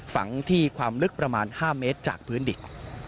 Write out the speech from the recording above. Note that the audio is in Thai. ฝังที่ความลึกประมาณ๕เมตรจากพื้นดิน